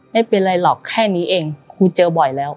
ไม่เป็นไรหรอกแค่นี้เองครูเจอบ่อยแล้ว